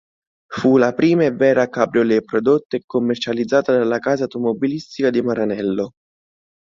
Fu la prima e vera cabriolet prodotta e commercializzata dalla casa automobilistica di Maranello.